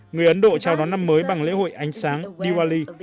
người ấn độ trao đón năm mới bằng lễ hội ánh sáng diwali